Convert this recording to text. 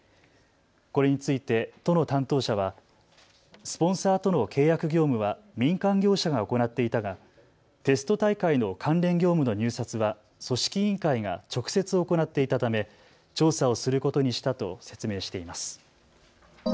これについて都の担当者はスポンサーとの契約業務は民間業者が行っていたがテスト大会の関連業務の入札は組織委員会が直接行っていたため調査をすることにしたと説明しています。